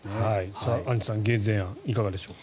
アンジュさん減税案いかがでしょう。